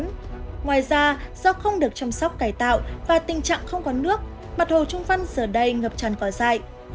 ngoài ra do không được chăm sóc cải tạo và tình trạng không có nước mặt hồ trung văn giờ đây ngập tràn cỏ dại